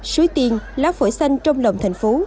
suối tiên lá phổi xanh trong lòng tp